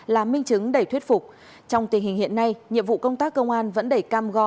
là minh chứng để thuyết phục trong tình hình hiện nay nhiệm vụ công tác công an vẫn đầy cam go